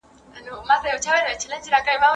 پولیسو تر اوسه اصلي مجرمین نه دي موندلي.